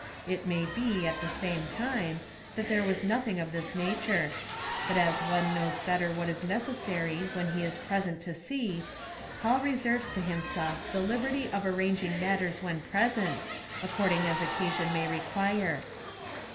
It may be, at the same time, that there was nothing of this nature ; but as one knows better what is necessary when he is present to see, Paul reserves to himself the liberty of arranging matters when present, according as occasion may require.